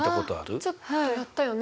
ちょっとやったよね。